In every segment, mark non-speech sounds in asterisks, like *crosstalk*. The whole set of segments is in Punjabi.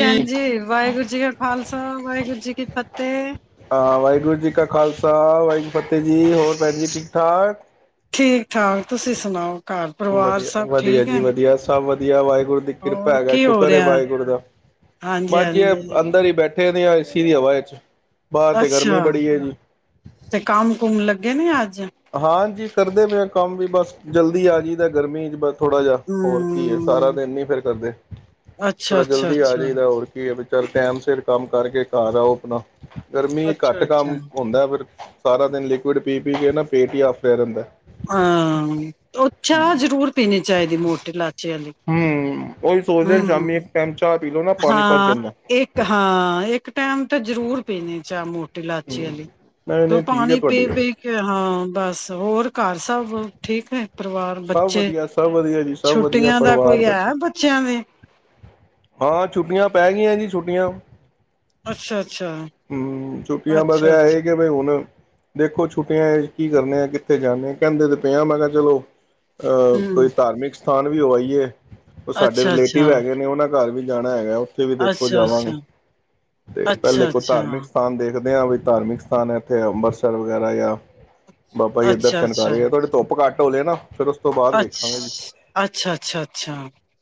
ਹਾਂ ਹਾਂਜੀ, ਵਾਹਿਗੁਰੂ ਜੀ ਕਾ ਖ਼ਾਲਸਾ। ਵਾਹਿਗੁਰੂ ਜੀ ਕੀ ਫਤੇ। ਵਾਹਿਗੁਰੂ ਜੀ *unintelligible* ਫਤਿਹ ਜੀ। ਹੋਰ ਭੈਨ ਜੀ, ਠੀਕ-ਠਾਕ। ਠੀਕ ਠਾਕ ਤੁਸੀਂ ਸੁਨਾਓ ਵਧੀਆ, ਵਧੀਆ ਜੀ ਵਧੀਆ ਸਬ ਵ *unintelligible* ਗੁਰੂ ਦੀ ਕਿਰਪਾ ਹੋਰ ਹੈਗਾ, ਕੀ ਹੋ ਸ਼ੁਕਰ ਏ ਰਿਹਾ ਵਾਹਿਗੁਰੂ ਦਾ, ਹਾਂਜੀ ਮਰਜੀ ਐ, ਹਾਂਜੀ ਅੰਦਰ ਈ ਬੈ ਦੇ ਆਂ ਏ ਸੀ ਦੀ ਹਵਾ ਏਚ। ਅਸਾ਼, ਤੇ ਕਮ ਕੁਮ ਲੱਗ ਗੇ ਨੀ ਆਜ? ਹਾਂਜੀ ਕਰਦੇ ਪਏ ਏ ਕੰਮ ਵੀ ਬਸ, ਜਲਦੀ ਆ ਜਈਦਾ, ਗਰਮੀ ਵਿੱਚ ਬਸ। ਥੋੜਾ ਜੇਆ ਹੋਰ ਕੀ ਐ, ਸਾਰਾ ਹਮ ਦਿਨ ਨੀ ਫੇਰ ਕਰਦੇ, ਅੱਛਾ ਥੋੜਾ ਅੱਛਾ ਜਲਦੀ ਆ ਅੱਛਾ ਜਾਈਦਾ ਹੋਰ ਕੀ ਏ। ਚੱਲ ਟਾਈਮ ਸਿਰ ਕੰਮ ਕਰਕੇ, ਘਰ ਆਓ ਆਪਨਾ। ਗਰਮੀ ਏ, ਅੱਛਾ ਘੱਟ ਅੱਛਾ ਕੰਮ ਹੋਂਦਾ ਫਿਰ। ਸਾਰਾ ਦਿਨ ਲਿਕਵਿਡ਼ ਪੀ-ਪੀ ਕੇ ਨਾ ਪੇਟ ਈ ਆਫਰੇਆ ਰੈਂਦੈ। ਹਾਂ, ਓ ਚਾਅ ਜਰੂਰ ਪੀਨੀ ਚਾਈਦੀ ਮੋਟੇ ਲਾ ਹੂੰ *unintelligible* *unintelligible* ਸ਼ਾਮੀ ਇੱਕ *unintelligible* ਪਾਣੀ ਭੱਜ ਹਾਂ, ਜਾਂਦਾ ਇੱਕ ਹਾਂ ਇੱਕ ਟੈਮ ਤ ਜਰੂਰ ਪੀਨੇ ਚਾ *unintelligible* ਤੇ ਹੂੰ ਲਾਚੀ ਆਲੀ, ਨਹੀਂ ਕਿਓ ਨਹੀਂ ਠੀਕ ਹੈ ਪਾਨੀ ਤੁਹਾਡੀ ਗੱਲ ਪੀ-ਪੀ ਕੇ, ਹਾਂ ਬਸ ਹੋਰ ਘਰ ਸਭ ਠੀਕ ਏ? ਸਭ ਵਧੀਆ, ਸਭ ਵਧੀਆ। ਜੀ ਸਭ ਵਧੀਆ ਛੁੱਟੀਆਂ ਦਾ ਪਰਿਵਾਰ ਕੋਈ ਬੱਚੇ ਹੈ ਬੱਚਿਆਂ ਦੇ ਹਾਂ, ਛੁੱਟੀਆਂ ਪੈ ਗਈਆਂ ਜੀ, ਛੁੱਟੀਆਂ। ਅੱਛਾ ਅੱਛਾ ਹਮ, ਛੁੱਟੀਆਂ ਬਸ ਅੱਛਾ ਐ ਹੈ ਅੱਛਾ ਕਿ ਬਈ ਹੁਣ ਦੇਖੋ, ਛੁੱਟੀਆਂ ਵਿੱਚ ਕੀ ਕਰਨੇ ਐ? ਕਿੱਥੇ ਜਾਂਦੇ? ਕਹਿੰਦੇ ਤੇ ਪਏ, ਮੈਂ ਕਿਹਾ ਚਲੋ। ਅ ਹਮ ਕੋਈ ਧਾਰਮਿਕ ਸਥਾਨ ਵੀ ਹੋ ਆਈਏ। ਉਹ ਸਾਡੇ ਅੱਛਾ ਅੱਛਾ ਰਿਲੇਟਿਵ ਹੈਗੇ ਨੇ, ਉਹਨਾਂ ਘਰ ਵੀ ਜਾਣਾ ਹੈਗਾ ਹੁਣ ਉੱਥੇ ਵੀ ਦੇਖੋ ਅੱਛਾ ਅੱਛਾ ਜਾਵਾਂਗੇ, ਤੇ ਪਹਿਲੇ ਅੱਛਾ ਕੁ ਧਾਰਮਿਕ ਸਥਾਨ ਦੇ ਕਦੇ ਹਾਂ ਵੀ ਧਾਰਮਿਕ ਸਥਾਨ ਹੈ। ਇੱਥੇ ਅੰਬਰਸਰ ਵਗੈਰਾ ਜਾਂ ਬਾਬਾ ਜੀ ਦੇ ਦਰਸ਼ਨ ਕਰ ਰਹੇ ਆ। ਥੋੜੀ ਧੁੱਪ ਘੱਟ ਢੋਲ ਨਾ ਫਿਰ ਉਸ ਤੋਂ ਬਾਅਦ ਅ ਵੇਖਾਂਗੇ ਜੀ ਅੱਛਾ, ਅੱਛਾ, ਅੱਛਾ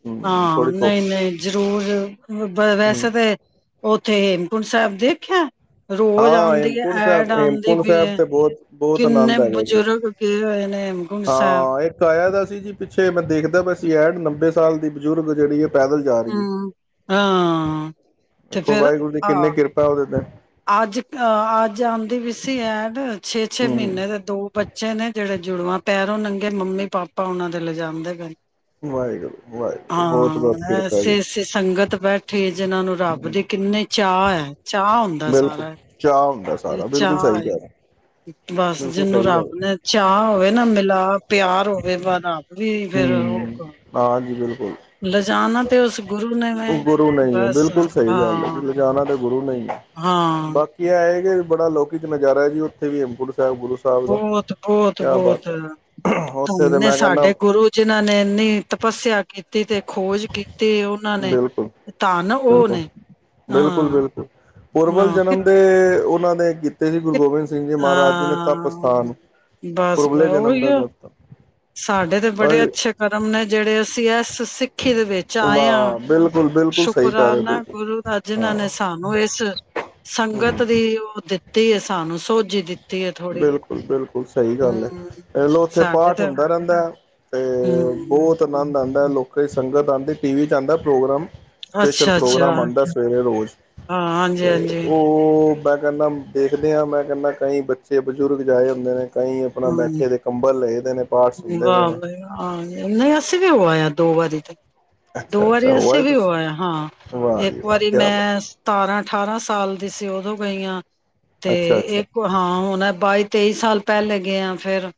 ਹੂੰ ਹਾਂ ਥੋੜੀ ਧੁੱਪ ਨਹੀਂ -ਨਹੀਂ ਜ਼ਰੂਰ ਹੂੰ ਵੈਸੇ ਤਾਂ ਉੱਥੇ ਸਾਹਿਬ ਦੇਖਿਆ ਰੋਜ਼ ਹਾਂ ਆਉਂਦੀ ਹੈ ਹੇਮਕੁੰਟ ਐਡ ਸਾਹਿਬ, ਆਉਂਦੀ ਹੇਮਕੁੰਟ ਪਈ ਸਾਹਿਬ ਹੈ ਤੇ ਬਹੁਤ ਬਹੁਤ ਕਿੰਨੇ ਆਨੰਦ ਹੈਗਾ ਜੀ। ਬਜ਼ੁਰਗ ਗਏ ਹੋਏ ਨੇ ਹੇਮਕੁੰਟ ਸਾਹਿਬ ਹਾਂ ਇੱਕ ਆਇਆ ਦਾ ਜੀ ਪਿੱਛੇ ਮੈਂ ਦੇਖਦਾ ਬਸ ਐਡ ਸਾਲ ਦੀ ਬਜ਼ੁਰਗ ਜਿਹੜੀ ਏ ਪੈਦਲ ਜਾ ਰਹੀ ਹੈ। ਹੂੰ, ਹਾਂ ਤੇ ਦੇਖੋ ਫੇਰ ਵਾਹਿਗੁਰੂ ਦੀ ਕਿੰਨੀੇ ਆਹ ਕਿਰਪਾ ਉਹਦੇ ਤੇ ਅੱਜ ਅ ਅੱਜ ਆਉਂਦੀ ਵੀ ਸੀ ਐਡ ਛੇ -ਛੇ ਹੂੰ ਮਹੀਨੇ ਦੇ ਦੋ ਬੱਚੇ ਨੇ ਜਿਹੜੇ ਜੁੜਵਾਂ ਪੈਰੋਂ ਨੰਗੇ ਮੰਮੀ -ਪਾਪਾ ਉਹਨਾਂ ਦੇ ਲਿਜਾਦੇ ਪਏ ਵਾਹਿਗੁਰੂ -ਵਾਹਿਗੁਰੂ, ਬਹੁਤ- ਬਹੁਤ ਕਿਰਪਾ ਐਸੀ ਜੀ ਐਸੀ ਸੰਗਤ ਬੈਠੀ ਜਿਨਾਂ ਨੂੰ ਰੱਬ ਦੇ ਕਿੰਨੇ ਚਾਅ ਹੈ। ਚਾਅ ਹੁੰਦਾ ਸਾਰਾ ਹਮ ਹਮ ਇਹ ਸਾਰਾ ਬਿਲਕੁਲ ਚਾਅ ਸਹੀ ਏ। ਕਿਹਾ ਬਸ ਜਿਹਨੂੰ ਰੱਬ ਨੇ ਚਾਅ ਹੋਵੇ ਨਾ ਮਿਲਾ ਪਿਆਰ ਹੋਵੇ ਭਾਵੇਂ ਨਾ, ਵੀ ਫੇਰ ਹੋ ਹੂੰ ਹਾਂ ਜੀ ਬਿਲਕੁਲ ਮੈਂ ਉਹ ਗੁਰੂ ਨਹੀਂ ਹੈ। ਬਸ ਬਿਲਕੁਲ ਸਹੀ ਗੱਲ, ਲਿਜਾਣਾ ਤਾਂ ਗੁਰੂ ਨਹੀਂ ਹੈ ਹਾਂ-ਹਾਂ। ਬਾਕੀ ਇਹ ਆ ਕੇ ਬੜਾ ਅਲੌਕਿਕ ਨਜ਼ਾਰਾ ਜੀ ਉੱਥੇ ਗੁਰੂ ਸਾਹਿਬ ਦਾ ਬਹੁਤ ਕਿਆ ਬਾਤ ਹੈ, ਹੋਰ ਉਹਨੇ ਸਾਡੇ ਗੁਰੂ ਜਿਨਾਂ ਨੇ ਇੰਨੀ ਤਪੱਸਿਆ ਕੀਤੀ। ਕੀਤੀ ਤੇ ਖੋਜ ਕੀਤੀ, ਉਹਨਾਂ ਨੇ ਬਿਲਕੁਲ ਧੰਨ ਉਹ ਬਿਲਕੁਲ ਨੇ ਬਿਲਕੁਲ ਹਾਂ, ਬਿਲਕੁਲ ਪੂਰਵਲ ਹਾਂ ਜਨਮ ਦੇ ਉਹਨਾਂ ਨੇ ਕੀਤੇ ਜੀ ਗੁਰੂ ਗੋਬਿੰਦ ਸਿੰਘ ਜੀ ਮਹਾਰਾਜ ਜੀ ਨੇ ਤਪ ਹਾਂ ਸਥਾਨ ਬਸ ਪੁਰਬਲੇ ਜਨਮ ਉਹੀ ਦਾ ਆ ਤਪ ਸਾਡੇ ਤੇ ਬੜੇ ਅੱਛੇ ਕਰਮ ਨੇ ਜਿਹੜੇ ਅਸੀਂ ਇਸ ਸਿੱਖੀ ਦੇ ਵਿੱਚ ਆਏ ਆ ਵਾਹ ਬਿਲਕੁਲ ਬਿਲਕੁਲ ਸਹੀ ਕਹਿ ਰਹੇ ਸ਼ੁਕਰਾਨਾ ਬਿਲਕੁਲ ਗੁਰੂ ਦਾ ਜਿਨਾਂ ਹਾਂ ਨੇ ਸਾਨੂੰ ਇਸ ਹੂੰ ਸੰਗਤ ਦੀ ਓਟ ਦਿੱਤੀ ਤੇ ਸਾਨੂੰ ਸੋ ਜੀ ਜੀ ਬਿਲਕੁਲ ਬਿਲਕੁਲ ਸਹੀ ਗੱਲ ਹੈ ਇਹ ਲੋ ਉੱਥੇ ਸਾਡੇ ਪਾਠ ਤਾਂ ਹੁੰਦਾ ਰਹਿੰਦਾ ਹੈ ਤੇ ਹਮ ਬਹੁਤ ਆਨੰਦ ਆਉਂਦਾ ਹੈ ਲੋਕ ਕਈ ਸੰਗਤ ਆਉਂਦੀ ਟੀ ਵੀ 'ਚ ਆਉਂਦਾ ਪ੍ਰੋਗਰਾਮ ਸਪੈਸ਼ਲ ਅੱਛਾ ਅੱਛਾ ਪ੍ਰੋਗਰਾਮ ਆਉਂਦਾ ਸਵੇਰੇ ਰੋਜ਼ ਹਾਂ ਹਾਂਜੀ ਤੇ ਹਾਂਜੀ ਉਹ ਮੈਂ ਕਹਿੰਦਾ ਦੇਖਦੇ ਹਾਂ ਮੈਂ ਕਹਿੰਦਾ ਕਈ ਬੱਚੇ ਬਜ਼ੁਰਗ ਜਾ ਆਏ ਹੁੰਦੇ ਨੇ ਕਈ ਆਪਣਾ ਬੈਠੇ ਦੇ ਹਮ ਕੰਬਲ ਲਏ ਦੇ ਨੇ ਪਾਠ ਸੁਣਦੇ ਪਏ ਵਾਹ ਨੇ ਭਾਈ ਵਾਹ ਅਸੀਂ ਵੀ ਉਹ ਆਏ ਹਾਂ ਦੋ ਵਾਰੀ ਤੇ ਅੱਛਾ ਦੋ ਅੱਛਾ ਵਾਰੀ ਅਸੀਂ ਵੀ ਹੋ ਆਏ ਤੁਸੀਂ ਹਾਂ ਵਾਹ ਇੱਕ ਜੀ ਵਾਹ ਵਾਰੀ ਕਿਆ ਮੈਂ ਬਾਤ ਸਤਾਰਾਂ ਅਠਾਰਾਂ ਸਾਲ ਦੀ ਸੀ ਉਹ ਦੋ ਗਈਆਂ ਤੇ ਅੱਛਾ ਅੱਛਾ ਇੱਕ ਹਾਂ ਹੁਣ ਬਾਈ ਤੇਈ ਸਾਲ ਪਹਿਲੇ ਗਏ ਆ ਫ਼ਿਰ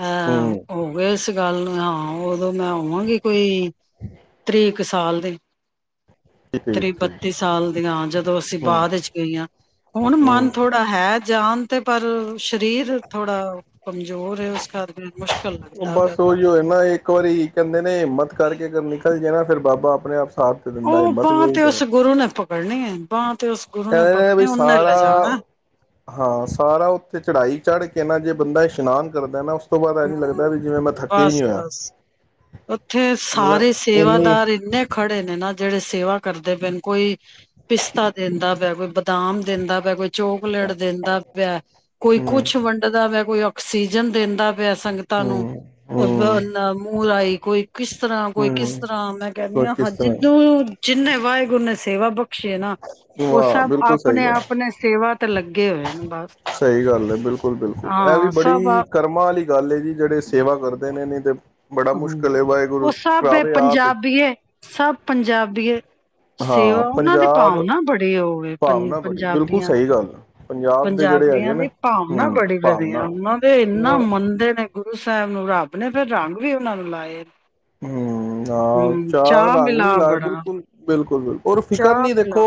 ਹਾਂ ਹੂੰ ਹੋ ਗਏ ਇਸ ਗੱਲ ਨੂੰ ਹਾਂ ਉਦੋਂ ਮੈਂ ਹੋਵਾਂਗੀ ਕੋਈ ਤਰੀਕ ਇੱਕ ਸਾਲ ਦੇ ਠੀਕ ਤੀਹ ਠੀਕ ਬੱਤੀ ਸਾਲ ਦੀਆਂ ਜਦੋਂ ਅਸੀਂ ਹੂੰ ਬਾਅਦ ਵਿੱਚ ਗਈਆਂ ਹੁਣ ਹੂੰ ਮਨ ਥੋੜਾ ਹੈ ਜਾਣ ਤੇ ਪਰ ਸਰੀਰ ਥੋੜਾ ਕਮਜ਼ੋਰ ਹੈ ਉਸ ਕਰ ਕੇ ਮੁਸ਼ਕ ਬਸ ਉਹੀ ਏ ਨਾ ਇੱਕ ਵਾਰੀ ਕਹਿੰਦੇ ਨੇ ਹਿੰਮਤ ਕਰਕੇ ਕਰਨੀ ਚੱਲ ਜਾਣਾ ਫਿਰ ਬਾਬਾ ਆਪਣੇ ਆਪ ਸਾਥ ਤੇ ਦਿੰਦਾ ਉਹ ਹਿੰਮਤ ਵੀ ਭਾਂ ਉਹੀ ਤੇ ਉਸ ਗੁਰੂ ਨੇ ਪਕੜਨੀ ਐ। ਬਾਂਹ ਤੇ ਉਸ ਗੁਰੂ ਕਹਿੰਦੇ ਨੇ ਵੀ ਪਕੜਨੀ ਉਹਨੇ ਸਾਰਾ ਲਿਜਾਣਾ ਹਾਂ ਸਾਰਾ ਉੱਥੇ ਚੜਾਈ ਚੜ ਕੇ ਕਹਿੰਦਾ ਜੇ ਬੰਦਾ ਇਸ਼ਨਾਨ ਕਰਦਾ ਨਾ ਉਸ ਚ ਉਸ ਤੋਂ ਬਾਅਦ ਐ ਨੀ ਲੱਗਦਾ ਹਮ ਵੀ ਜਿਵੇਂ ਮੈਂ ਥੱਕੇ ਹੀ ਨੀ ਬਸ ਹੋਇਆ। ਬਸ ਉੱਥੇ ਸਾਰੇ ਮਤਲਬ ਇੰਨੀ ਸੇਵਾਦਾਰ ਇੰਨੇ ਖੜੇ ਨੇ ਨਾ ਜਿਹੜੇ ਸੇਵਾ ਕਰਦੇ ਪਏ ਕੋਈ ਪਿਸਤਾ ਦਿੰਦਾ ਵੈ ਕੋਈ ਬਦਾਮ ਦਿੰਦਾ ਵੈ ਕੋਈ ਚੋਕਲੇਟ ਦਿੰਦਾ ਪਿਆ, ਕੋਈ ਹੂੰ ਕੁੱਛ ਵੰਡਦਾ ਵੈ ਕੋਈ ਕੁਛ ਆਕਸੀਜਨ ਦਿੰਦਾ ਪਿਆ ਸੰਗਤਾਂ ਹੂੰ ਨੂੰ ਵ ਹੂੰ ਨਾ ਮੂੰਹ ਲਾਈ ਕੋਈ ਕਿਸ ਤਰ੍ਹਾਂ ਕੋਈ ਹੂੰ ਕਿਸ ਤਰ੍ਹਾਂ ਮੈਂ ਕਹਿੰਦੀ ਹੋਰ ਕਿਸ ਹਾਂ ਤਰ੍ਹਾਂ ਜਿਹਨੂੰ ਜਿੰਨੇ ਵਾਹਿਗੁਰ ਨੇ ਸੇਵਾ ਬ ਵਾਹ! ਬਿਲਕੁਲ ਸਹੀ ਗੱਲ ਆਪਣੇ ਸੇਵਾ ਤੇ ਲੱਗੇ ਹੋਏ ਨੇ ਬਸ ਸਹੀ ਗੱਲ ਹੈ, ਬਿਲਕੁਲ- ਬਿਲਕੁਲ ਇਹ ਵੀ ਹਾਂ ਸਭ ਬੜੀ ਆ- ਕਰਮਾਂ ਵਾਲੀ ਗੱਲ ਐ ਜੀ ਜਿਹੜੇ ਸੇਵਾ ਕਰਦੇ ਨੇ। ਤੇ ਬੜਾ ਹਾਂ, ਮੁਸ਼ਕਿਲ ਹੈ ਉਹ ਵਾਹਿਗੁਰੂ ਸਭ ਏ ਕਰਾਵੇ ਆਪ ਹੀ ਪੰਜਾਬੀਏ ਸਭ ਪੰਜਾਬੀਏ ਹਾਂ ਸੇਵਾ ਉਹਨਾਂ ਦੇ ਪੰਜਾਬ ਭਾਵ ਨਾ ਬੜੇ ਹੋਏ ਪੰਜ ਭਾਵਨਾ ਬੜੀ ਬਿਲਕੁਲ ਪੰਜਾਬੀਆਂ ਸਹੀ ਗੱਲ ਆ। ਪੰਜਾਬ ਦੇ ਜਿਹੜੇ ਹੈਗੇ ਪੰਜਾਬੀਆਂ ਨੇ ਦੀ ਭਾਵਨਾ ਹਮ ਬੜੀ ਭਾਵਨਾ ਵਧੀਆ, ਉਹਨਾਂ ਦੇ ਇੰਨਾ ਹਮ ਮੰਨਦੇ ਨੇ ਗੁਰੂ ਸਾ ਸਾਹਿਬ ਨੂੰ ਰੱਬ ਨੇ ਫਿਰ ਰੰਗ ਵੀ ਉਹਨਾਂ ਨੂੰ ਲਾਏ ਆ। ਹੂੰ, ਹਾਂ ਚਾਰ ਰੰਗ ਵੀ ਮਿਲਾ ਲਾ ਬੜਾ ਬਿਲਕੁਲ- ਬਿਲਕੁਲ ਰ ਫਿਕਰ ਚਾਹ ਨੀ ਮਿਲਾ ਦੇਖੋ,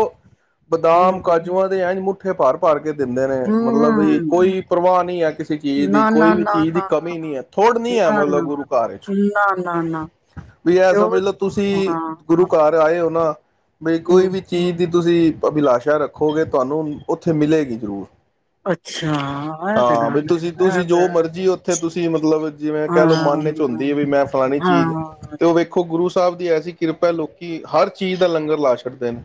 ਬਦਾਮ- ਹਮ ਕਾਜੂਆਂ ਦੇ ਐ ਮੁ ਮੁੱਠੇ ਭਰ ਭਰ ਕੇ ਕੇ ਦਿੰਦੇ ਨੇ ਮਤਲਬ ਵੀ ਹਮ ਕੋਈ ਪ੍ਰਵਾਹ ਨਹੀਂ ਹੈ, ਕਿਸੇ ਚੀਜ਼ ਦੀ ਨਾ ਕੋਈ ਨਾ ਵੀ ਨਾ ਚੀਜ਼ ਦੀ ਨਾ ਕਮੀ ਨੀ ਹੈ ਥੋੜ ਨੀ ਹੈ ਨਾ ਨਾ ਨਾ ਮਤਲਬ ਗੁਰੂ ਘਰ ਵਿੱਚ ਨਾ ਨਾ ਨਾ ਵੀ ਇਹ ਜੋ ਸਮਝ ਲਓ ਤੁਸੀਂ ਹਾਂ ਗੁਰੂ ਘਰ ਆਏ ਹੋ ਨਾ ਬਈ ਹਮ ਕੋਈ ਵੀ ਚੀਜ਼ ਦੀ ਤੁਸੀਂ ਅਭਿਲਾਸ਼ਾ ਰੱਖੋਗੇ ਤੁਹਾਨੂੰ ਉੱਥੇ ਮਿਲੇਗੀ ਜ਼ਰੂਰ ਅੱਛਾ ਇਹ ਤੇ ਹਾਂ ਵੀ ਗੱਲ ਹੈ ਤੁਸੀਂ- ਇਹ ਤੁਸੀਂ ਤੇ ਜੋ ਮਰਜ਼ੀ ਉੱਥੇ ਤੁਸੀਂ ਮਤਲਬ ਜਿਵੇਂ ਕਹਿ ਲਓ ਹਾਂ ਮਨ ਵਿਚ ਹੁੰਦੀ ਹੈ ਵੀ ਮੈਂ ਫਲਾਣੀ ਚੀਜ਼ ਹਾਂ ਤੇ ਉਹ ਵੇਖੋ ਗੁਰੂ ਸ ਸਾਹਿਬ ਦੀ ਐਸੀ ਕਿਰਪਾ ਲੋਕੀ ਹਰ ਚੀਜ਼ ਦਾ ਲੰਗਰ ਲਾ ਛੱ ਦੇ ਨੇ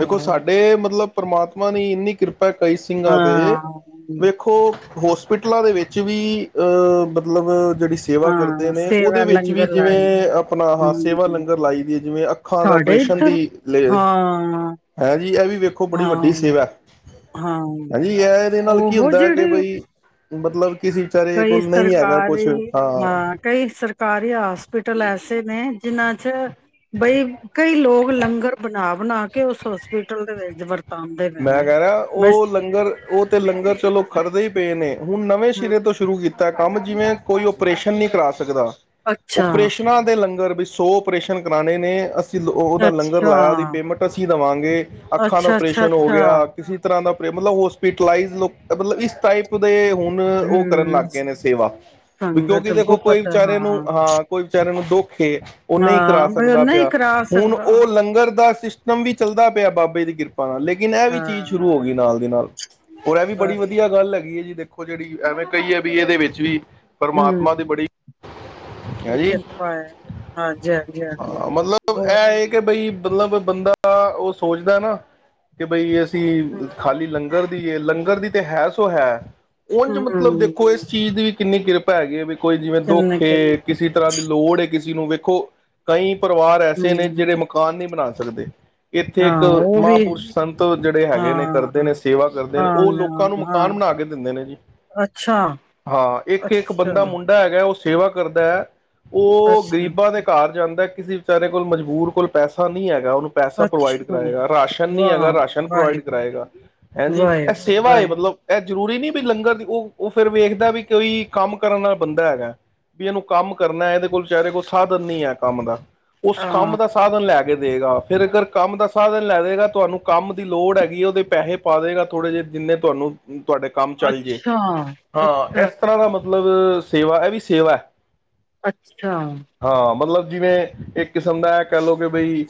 ਦੇਖੋ ਸਾਡੇ ਮਤਲਬ ਪਰਮਾਤਮਾ ਨੇ ਇੰਨੀ ਕਿਰਪਾ ਕਈ ਸਿੰਘਾਂ ਦੇ ਹਾਂ ਵੇਖੋ ਹੋਸਪਿਟਲਾਂ ਦੇ ਵਿੱਚ ਵੀ ਅਹ ਮਤਲਬ ਜਿਹੜੀ ਸੇਵਾ ਕਰਦੇ ਹਾਂ ਨੇ ਸੇਵਾ ਉਹਦੇ ਵਿੱਚ ਵੀ ਲੰਗਰ ਲਾਏ ਜਿਵੇਂ ਆਪਣਾ ਸੇਵਾ ਕਰਦੇ ਨੇ ਹਮ ਉਹਦੇ ਵਿਚ ਵੀ ਲੰਗਰ ਲਾਈ ਦੀ ਹੈ ਜਿਵੇਂ ਅੱਖਾਂ ਦਾ ਸਾਡੇ ਆਪਓਪਰੇਸ਼ਨ ਦੀ ਇੱਧਰ ਹਾਂ ਹੈਂ ਜੀ ਇਹ ਵੀ ਵੇਖੋ ਬੜੀ ਹਾਂ ਵੱਡੀ ਸੇਵਾ ਹਾਂ ਹੈਂ ਜੀ ਇਹ ਨਾਲ ਕੀ ਉਹ ਹੁੰਦਾ ਕਿ ਜਿਹੜੇ ਬਈ ਮਤਲਬ ਕਿਸੇ ਵਿਚਾਰੇ ਕਈ ਕੋਲ ਨਹੀਂ ਹੈਗਾ ਕੁਛ ਸਰਕਾਰੀ ਹਾਂ ਕਈ ਸਰਕਾਰੀ ਹੋਸਪਿਟਲ ਐਸੇ ਨੇ ਜਿਹਨਾ ਅੱਛਾ ਬਈ ਕਈ ਲੋਕ ਲੰਗਰ ਬਣਾ ਬਣਾ ਕੇ ਉਸ ਹੋਸਪਿਟਲ ਦੇ ਵਿੱਚ ਵਰਤਾਨ ਮੈਂ ਕਹਿ ਰਿਹਾ ਉਹ ਲੰਗਰ ਉਹ ਤੇ ਲੰਗਰ ਚਲੋ ਕਰਦੇ ਹੀ ਪਏ ਨੇ ਹੁਣ ਨਵੇਂ ਸਿਰੇ ਤੋਂ ਹਮ ਸ਼ੁਰੂ ਕੀਤਾ ਕੰਮ ਜਿਵੇਂ ਕੋਈ ਓਪਰੇਸ਼ਨ ਨਹੀਂ ਕਰਾ ਸਕਦਾ ਅੱਛਾ ਓਪਰੇਸ਼ਨਾਂ ਦੇ ਲੰਗਰ ਸੌ ਓਪਰੇਸ਼ਨ ਕਰਾਉਣੇ ਨੇ ਉਹਦਾ ਲੰਗਰ ਅੱਛਾ ਲਾਇਆ ਉਹਦੀ ਪੇਮੈਂਟ ਅਸੀਂ ਦੇਵਾਂਗੇ ਅੱਖਾਂ ਦਾ ਅੱਛਾ ਅੱਛਾ ਓਪਰੇਸ਼ਨ ਹੋ ਅੱਛਾ ਗਿਆ ਕਿਸੇ ਤਰਾ ਦਾ ਮਤਲਬ ਹੋਸਪੀਟਈਜ਼ ਮਤਲਬ ਇਸ ਟਾਈਪ ਦੇ ਹੁਣ ਉਹ ਕਰਨ ਹਮ ਲੱਗ ਗਏ ਨੇ ਸੇਵਾ ਵੀ ਕਿਉਂਕਿ ਸੰਗਤ ਦੇਖੋ ਕੋਈ ਗੁਪਤ ਵਿਚਾਰੇ ਨੂੰ ਹਾਂ ਕੋਈ ਵਿਚਾਰੇ ਨੂੰ ਦੁੱਖ ਕੇ ਉਹ ਨਹੀਂ ਕਰਾ ਹਾਂ ਬਈ ਉਹ ਸਕਦਾ ਨਹੀਂ ਪਿਆ ਕਰਾ ਹੁਣ ਉਹ ਸਕਦਾ ਲੰਗਰ ਦਾ ਨਵੀ ਚੱਲਦਾ ਪਿਆ ਬਾਬੇ ਦੀ ਕਿਰਪਾ ਲੇਕਿਨ ਇਹ ਵੀ ਚੀਜ਼ ਹਾਂ, ਸ਼ੁਰੂ ਹੋ ਗਈ ਨਾਲ ਦੀ ਨਾਲ ਹੋਰ ਇਹ ਵੀ ਬੜੀ ਬਸ ਵਧੀਆ ਗੱਲ ਹੈਗੀ ਹੈ ਜੀ ਦੇਖੋ ਜਿਹੜੀ ਐਵੇਂ ਕਹੀ ਹੈ ਵੀ ਇਹਦੇ ਵਿੱਚ ਵੀ ਹਮ ਪਰਮਾਤਮਾ ਦੀ ਬੜੀ ਹੈ ਜੀ ਕਿਰਪਾ ਹੈ ਹਾਂਜੀ ਹਾਂਜੀ ਹਾਂਜੀ ਹਾਂ ਮਤਲਬ ਇਹ ਬਹੁਤ ਹੈ ਕਿ ਬਈ ਮਤਲਬ ਬੰਦਾ ਉਹ ਸੋਚਦਾ ਨਾ ਕਿ ਬਈ ਅ ਖਾਲੀ ਲੰਗਰ ਦੀ ਲੰਗਰ ਦੀ ਤੇ ਹੈ ਸੋ ਹੈ ਉਂਝ ਮਤਲਬ ਹੂੰ-ਹੂੰ, ਦੇਖੋ ਇਸ ਚੀਜ਼ ਦੀ ਵੀ ਕਿੰਨੀ ਕਿਰਪਾ ਪੈ ਗਏ ਨੇ ਕੋਈ ਜਿਵੇਂ ਦੁੱਖ ਕਿੰਨੇ ਕਿ ਹੂੰ, ਕਿਸੇ ਤਰ੍ਹਾਂ ਦੀ ਲੋੜ ਕਿਸੇ ਜੀ ਨੂੰ ਵੇਖੋ ਤਾਂਹੀ ਪਰਿਵਾਰ ਐਸੇ ਨੇ ਜਿਹੜੇ ਮਕਾਨ ਨਹੀਂ ਬਣਾ ਸਕਦੇ। ਇੱਥੇ ਹਾਂ ਇੱਕ ਉਹ ਵੀ ਮਹਾਂਪੁਰਸ਼ ਸੰਤ ਜਿਹੜੇ ਹੈਗੇ ਨੇ ਹਾਂ, ਕਰਦੇ ਨੇ ਸੇਵਾ ਕਰਦੇ ਨੇ ਹਾਂ, ਉਹ ਲੋਕਾਂ ਨੂੰ ਹਾਂ, ਮਕਾਨ ਬਣਾ ਕੇ ਦਿੰਦੇ ਨੇ ਜੀ। ਅੱਛਾ। ਹਾਂ ਇੱਕ-ਇੱਕ ਅੱਛਾ, ਬੰਦਾ ਮੁੰਡਾ ਹੈਗਾ ਉਹ ਸੇਵਾ ਕਰਦਾ ਉਹ ਅੱਛਾ, ਗਰੀਬਾਂ ਦੇ ਘਰ ਜਾਂਦਾ ਕਿਸੇ ਵਿਚਾਰੇ ਕੋਲ ਮਜਬੂਰ ਕੋਲ ਪੈਸਾ ਨਹੀਂ ਹੈਗਾ ਉਹਨੂੰ ਪੈਸਾ ਪ੍ਰੋਵਾਈਡ ਅੱਛਾ, ਕਰਾਏਗਾ। ਰਾਸ਼ਨ ਨਹੀਂ ਹੈਗਾ ਵਾਹ! ਪ੍ਰੋਵਾਈਡ ਵਾਹਿਗੁਰੂ, ਕਰਾਏਗਾ। ਹੈਂ ਜੀ ਇਹ ਵਾਹਿਗੁਰੂ, ਸੇਵਾ ਹੈ ਵਾਹਿਗੁਰੂ ਮਤਲਬ ਇਹ ਜ਼ਰੂਰੀ ਨੀ ਵੀ ਲੰਗਰ ਦੀ ਉਹ ਉਹ ਫਿਰ ਵੇਖਦਾ ਵੀ ਕੋਈ ਕੰਮ ਕਰਨ ਵਾਲਾ ਬੰਦਾ ਹੈਗਾ, ਵੀ ਇਹਨੂੰ ਕੰਮ ਕਰਨਾ ਇਹਦੇ ਕੋਲ ਵਿਚਾਰੇ ਕੋਈ ਸਾਧਨ ਨਹੀਂ ਏ ਕੰਮ ਦਾ। ਉਸ ਕੰਮ ਹਾਂ, ਦਾ ਸਾਧਨ ਲੈ ਕੇ ਦੇਗਾ, ਫੇਰ ਅਗਰ ਕੰਮ ਦਾ ਸਾਧਨ ਲੈਦੇਗਾ ਤੁਹਾਨੂੰ ਕੰਮ ਦੀ ਲੋੜ ਹੈਗੀ ਏ ਉਦੇ ਪੈਹੇ ਪਾ ਦੇਗਾ ਥੋੜੇ ਜਿਹੇ ਜਿੰਨੇ ਤੁਹਾਨੂੰ ਤੁਹਾਡੇ ਕੰਮ ਚੱਲ ਜੇ, ਅੱਛਾ, ਹਾਂ ਅੱਛਾ, ਇਸ ਤਰਾਂ ਦਾ ਅੱਛਾ, ਮਤਲਬ ਸੇਵਾ, ਐ ਵੀ ਸੇਵਾ। ਅੱਛਾ। ਹਾਂ ਮਤਲਬ ਜਿਵੇਂ ਇੱਕ ਕਿਸਮ ਦਾ ਇਹ ਕਹਿ ਲਓ ਕਿ ਬਈ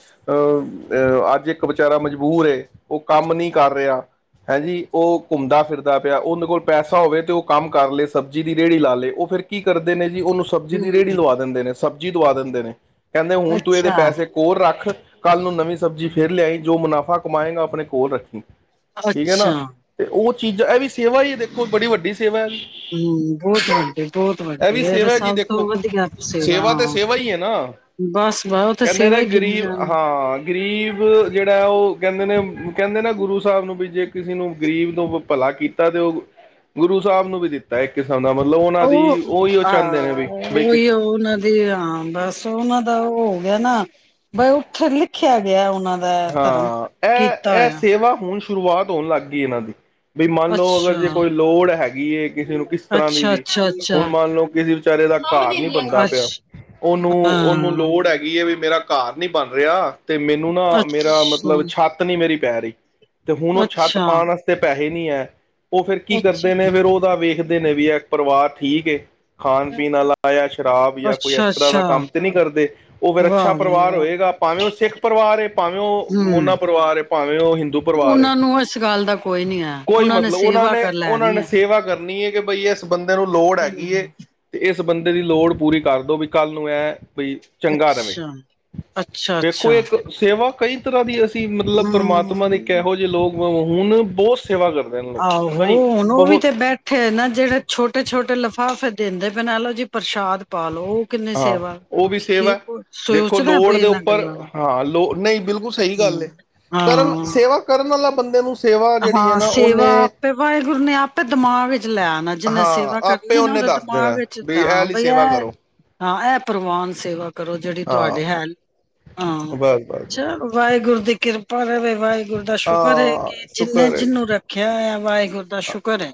ਅੱਜ ਇੱਕ ਵਿਚਾਰਾ ਮਜ ਦੂਰ ਏ, ਉਹ ਕੰਮ ਨੀ ਕਰ ਰਿਹਾ, ਹੈਂ ਜੀ ਉਹ ਘੁੰਮਦਾ-ਫਿਰਦਾ ਪਿਆ ਉਹਦੇ ਕੋਲ ਪੈਸਾ ਹੋਵੇ ਤੇ ਉਹ ਕੰਮ ਕਰ ਲਏ ਸਬਜ਼ੀ ਦੀ ਰੇਹੜੀ ਲਾ ਲੇ ਉਹ ਫੇਰ ਕੀ ਕਰਦੇ ਨੇ ਕੀ ਉਹਨੂੰ ਸਬਜ਼ੀ ਦੀ ਹੂੰ, ਰੇੜੀ ਲਵਾ ਦਿੰਦੇ ਨੇ ਸਬ ਜੀ ਦਵਾ ਦਿੰਦੇ ਨੇ। ਕਹਿੰਦੇ ਹੁਣ ਤੂੰ ਇਹਦੇ ਅੱਛਾ, ਪੈਸੇ ਕੋਲ ਰੱਖ, ਕੱਲ ਨੂੰ ਨਵੀਂ ਸਬਜ਼ੀ ਫਿਰ ਲਿਆਈ ਜੋ ਮੁਨਾਫ਼ਾ ਕਮਾਏਗਾ ਆਪਣੇ ਕੋਲ ਰੱਖੀ। ਠੀਕ ਹੈ ਨਾ, ਅੱਛਾ। ਤੇ ਉਹ ਚੀਜ਼ਾਂ ਇਹ ਵੀ ਸੇਵਾ ਹੀ ਦੇਖੋ ਬੜੀ ਵੱਡੀ ਸੇਵਾ ਹੈ ਹੂੰ ਬਹੁਤ ਵੱਡੀ ਬਹੁਤ ਵੱਡੀ ਵੀ ਇਹ ਤੇ ਸੇਵਾ ਜੀ ਸਭ ਤੋਂ ਦੇਖੋ ਵਧੀਆ ਸੇਵਾ ਏ, ਤੇ ਹਾਂ ਸੇਵਾ ਹੀ ਹੈ ਨਾ ਬਸ-ਬਸ ਤਾਂ ਕਹਿੰਦੇ ਸੇਵਾ ਨੇ ਹੀ ਗਿਨੇ ਗਰੀਬ ਜਾਣਾ। ਹਾਂ ਗਰੀਬ ਜਿਹੜਾ ਏ ਉਹ ਕਹਿੰਦੇ ਨੇ ਕਹਿੰਦੇ ਨਾ ਗੁਰੂ ਸਾਹਬ ਨੂੰ ਵੀ ਜੇ ਕਿਸੇ ਨੂੰ ਗ਼ਰੀਬ ਨੂੰ ਭਲਾ ਕੀਤਾ ਤੇ ਉਹ, ਗੁਰੂ ਸਾਹਿਬ ਨੂੰ ਵੀ ਦਿੱਤਾ ਇੱਕ ਕਿਸਮ ਦਾ ਮਤਲਬ ਉਹਨਾਂ ਦੀ ਉਹ ਉਹੀ ਉਹ ਚਾਹੁੰਦੇ ਨੇ ਹਾਂ ਵੀ ਬਈ ਕਿਸ ਉਹੀਓ ਉਨਾਂ ਦੀ ਹਾਂ ਬਸ ਉਹਨਾਂ ਦਾ ਉਹ ਹੋ ਗਿਆ ਨਾ, ਬਸ ਉੱਥੇ ਲਿਖਿਆ ਗਿਆ ਉਹਨਾਂ ਦਾ ਧਰਮ ਹਾਂ, ਐ ਕੀਤਾ ਐ ਹੋਇਆ ਸੇਵਾ ਹੁਣ ਸ਼ੁਰੂਆਤ ਹੋਣ ਲੱਗ ਗਈ ਇਹਨਾਂ ਦੀ। ਬਈ ਮੰਨ ਲਓ, ਅਗਰ ਅੱਛਾ ਜੇ ਕੋਈ ਲੋੜ ਹੈਗੀ ਹੈ ਕਿਸੇ ਨੂੰ ਕਿਸ ਤਰ੍ਹਾਂ ਦੀ ਅੱਛਾ ਵੀ, ਅੱਛਾ ਹੁਣ ਅੱਛਾ ਮੰਨ ਲਓ ਕਿਸੇ ਵਿਚਾਰੇ ਦਾ ਘਰ ਨੀ ਬਣਦਾ ਪਿਆ, ਅੱਛਾ ਹਾਂ ਉਹਨੂੰ-ਉਹਨੂੰ ਲੋੜ ਹੈਗੀ ਹੈ ਵੀ ਮੇਰਾ ਘਰ ਨੀ ਬਣ ਰਿਹਾ ਤੇ ਮੈਨੂੰ ਮੇਰਾ ਅੱਛਾ ਅੱਛਾ ਮਤਲਬ ਛੱਤ ਨੀ ਮੇਰੀ ਪੈ ਰਈ। ਤੇ ਹੁਣ ਉਹ ਛੱਤ ਪਾਣ ਵਾਸਤੇ ਪੈ ਇਹ ਨਹੀਂ ਹੈ। ਉਹ ਫਿਰ ਕੀ ਕਰਦੇ ਅੱਛਾ ਅੱਛਾ ਨੇ ਫਿਰ ਉਹਦਾ ਵੇ ਨੇ ਵੀ ਐ ਪਰਿਵਾਰ ਠੀਕ ਏ। ਖਾਣ-ਪੀਣ ਵਾਲਾ ਯਾਂ ਸ਼ਰਾਬ ਯਾਂ ਕੋਈ ਇਸ ਤਰ੍ਹਾਂ ਦਾ ਅੱਛਾ ਕੰਮ ਤੇ ਨਹੀਂ ਕਰਦੇ, ਉਹ ਵਿਰ ਅੱਛਾ ਵਾਹ ਬਾਈ ਪਰਿਵਾਰ ਵਾਹ ਹੋਏਗਾ ਭਾਵੇਂ ਉਹ ਸਿੱਖ ਪਰਿਵਾਰ ਏ ਉਹ ਹੂੰ ਮੋਨਾ ਪਰਿਵਾਰ ਏ, ਭਾਵੇਂ ਉਹ ਹਿੰਦੂ ਪਰਿਵਾਰ ਏ ਉਹਨਾਂ ਨੂੰ ਇਸ ਗੱਲ ਦਾ ਕੋਈ ਨੀ ਹੈ ਕੋਈ ਨੇ ਮਤਲਬ ਉਹਨਾਂ ਸੇਵਾ ਨੇ ਕਰ ਉਹਨਾਂ ਲੈਣੀ ਨੇ ਹੈ ਸੇਵਾ ਕਰ, ਕਰਨੀ ਹੈ ਕਿ ਬਈ ਐ ਬੰਦੇ ਨੂੰ ਲੋੜ ਹੈਗੀ ਏ ਹਮ ਤੇ ਇਸ ਇਸ ਬੰਦੇ ਦੀ ਲੋੜ ਪੂਰੀ ਕਰਦੋ ਵੀ ਕੱਲ੍ਹ ਨੂੰ ਇਹ ਬਈ ਚੰਗਾ ਰਹੇ ਅੱਛਾ ਅੱਛਾ ਵੇਖੋ ਅੱਛਾ ਇੱਕ ਸੇਵਾ ਕਈ ਤਰ੍ਹਾਂ ਦੀ ਅਸੀਂ ਮਤਲਬ ਹਮ ਪ੍ਰਮਾਤਮਾ ਨੇ ਕਿਹੋ ਜਿਹੇ ਲੋਕ ਹੁਣ ਬਹੁਤ ਸੇਵਾ ਕਰਦੇ ਨੇ ਲੋਕ ਆਹੋ! ਕਈ ਹੁਣ ਉਹ ਵੀ ਬਹੁਤ ਤੇ ਬੈਠੇ ਨਾ ਜਿਹੜੇ ਛੋਟੇ ਛੋਟੇ ਲਿਫਾਫੇ ਦਿੰਦੇ ਪਏ ਨੇ ਐਲੋ ਜੀ ਪ੍ਰਸ਼ਾਦ ਪਾ ਲਓ। ਕਿੰਨੀ ਹਾਂ, ਸੇਵਾ ਉਹ ਵੀ ਸੇਵਾ ਕੀ ਹੈ ਕੋ- ਦੇਖੋ ਸੋਚਦਾ ਲੋੜ ਪਏ ਦੇ ਇਹਨਾਂ ਉੱਪਰ ਗੱਲਾਂ ਦਾ ਹਾਂ ਲੋ ਨਹੀਂ ਬਿਲਕੁਲ ਸਹੀ ਗੱਲ ਹਮ, ਹੈ, ਕਰਨ ਹਾਂ ਸੇਵਾ ਕਰਨ ਵਾਲਾ ਬੰਦੇ ਨੂੰ। ਸੇਵਾ ਜਿਹੜੀ ਹੈ ਹਾਂ, ਨਾ ਸੇਵਾ ਉਹਨੇ ਆਪੇ ਵਾਹਿਗੁਰੂ ਨੇ ਆਪੇ ਦਿਮਾਗ ਵਿੱਚ ਲੈ ਆਣਾ, ਜਿੰਨੇ ਹਾਂ ਸੇਵਾ ਆਪੇ ਕਰਨੀ ਨਾ ਉਹਨੇ ਉਹਦੇ ਦੱਸ ਦਿਮਾਗ ਦੇਣਾ ਵਿੱਚ ਵੀ ਇਹ ਹਾਂ ਲਈ ਬਈ ਐ ਸੇਵਾ ਕਰੋ ਹਾਂ ਇਹ ਪ੍ਰਵਾਨ ਸੇਵਾ। ਕਰੋ ਜਿਹੜੀ ਹਾਂ ਤੁਹਾਡੇ ਹੈੱਲਪ ਹਾਂ ਬਸ ਬਸ ਬਸ ਚੱਲੋ, ਵਾਹਿਗੁਰੂ ਦੀ ਕਿਰਪਾ ਰਹੇ, ਵਾਹਿਗੁਰੂ ਦਾ ਸ਼ੁਕਰ ਹੈ ਕਿ ਹਾਂ ਜਿਹਨੇ ਸ਼ੁਕਰ ਹੈ ਜਿਹਨੂੰ ਰੱਖਿਆ ਹੋਇਆ ਵਾਹਿਗੁਰੂ ਦਾ ਸ਼ੁਕਰ ਹੈ,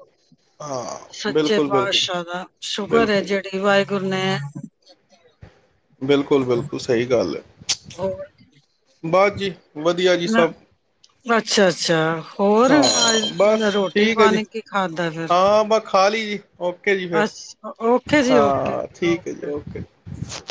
ਹਾਂ ਸੱਚੇ ਬਿਲਕੁਲ ਬਿਲਕੁਲ ਪਾਤਸ਼ਾਹ ਦਾ ਸ਼ੁਕਰ ਹੈ, ਬਿਲਕੁਲ ਜਿਹੜੀ ਵਾਹਿਗੁਰੂ ਨੇ ਬਿਲਕੁਲ-ਬਿਲਕੁਲ ਸਹੀ ਗੱਲ ਹੈ। ਹੋਰ ਬਸ ਜੀ। ਵਧੀਆ ਜੀ ਨਾ ਸਭ ਅੱਛਾ-ਅੱਛਾ ਹੋਰ ਹਾਂ ਬਸ ਰੋਟੀ ਠੀਕ ਹੈ ਜੀ ਪਾਣੀ ਕੀ ਖਾਕੇ ਹਾਂ, ਬਸ ਖਾ ਲਈ ਜੀ, ਓਕੇ ਜੀ ਫਿਰ ਅ ਓਕੇ ਜੀ ਓਕੇ ਹਾਂ, ਠੀਕ ਹੈ ਓਕੇ ਜੀ।